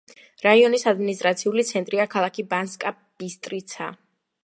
რაიონის ადმინისტრაციული ცენტრია ქალაქი ბანსკა-ბისტრიცა.